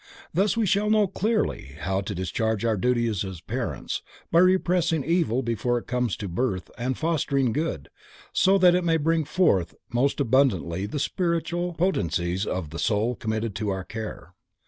Thus we shall know clearly how to discharge our duty as parents, by repressing evil before it comes to birth and fostering good, so that it may bring forth most abundantly the spiritual potencies of the soul committed to our care.